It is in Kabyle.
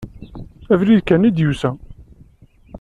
Abrid kan i d-yusa.